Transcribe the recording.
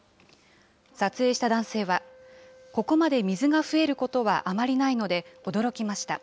撮影した男性は、ここまで水が増えることはあまりないので、驚きました。